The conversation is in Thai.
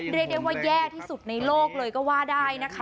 เรียกได้ว่าแย่ที่สุดในโลกเลยก็ว่าได้นะคะ